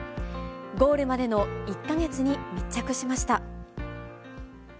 ゴールまでの１か月に密着しました。